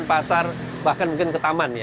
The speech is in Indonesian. ke pasar bahkan mungkin ke taman